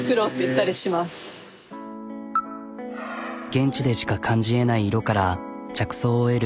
現地でしか感じえない色から着想を得る。